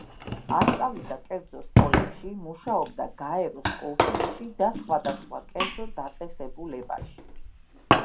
ასწავლიდა კერძო სკოლებში, მუშაობდა გაეროს ოფისში და სხვადასხვა კერძო დაწესებულებაში.